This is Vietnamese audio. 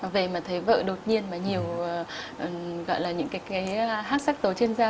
về mà thấy vợ đột nhiên mà nhiều gọi là những cái hát sắc tố trên da